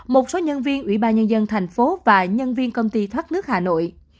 một số nhân viên ủy ban nhân dân thành phố và nhân viên công ty thoát nước hà nội